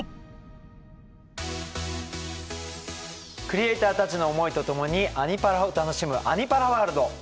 クリエーターたちの思いとともに「アニ×パラ」を楽しむ「アニ×パラワールド」。